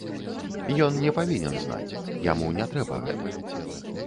Ён не павінен знаць, яму не трэба гэта.